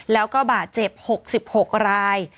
แล้วก็บาดเจ็บ๖๖ราย